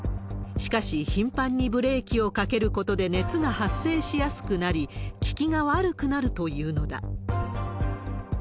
しかし、頻繁にブレーキをかけることで熱が発生しやすくなり、利きが悪くなるというのだ。